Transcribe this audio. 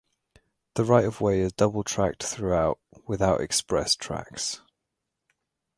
The right of way is double tracked throughout without express tracks.